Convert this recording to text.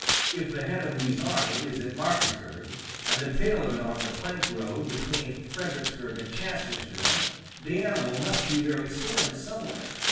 If the head of Lee's army is at Martinsburg, and the tail of it on the plank road between Fredericksburg and Chancellorsville, the animal must be very slim somewhere.